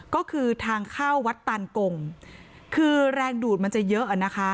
ก็คือทางเข้าวัดตานกงคือแรงดูดมันจะเยอะอ่ะนะคะ